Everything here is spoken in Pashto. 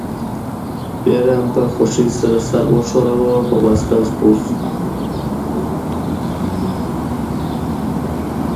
پیریان په خوښۍ سر وښوراوه او په بایسکل سپور شو